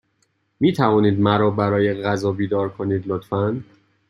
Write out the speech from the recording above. می توانید مرا برای غذا بیدار کنید، لطفا؟